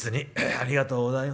ありがとうございます。